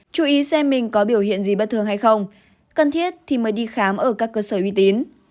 chú ý xem mình có biểu hiện gì bất thường hay không cần thiết thì mới đi khám ở các cơ sở uy tín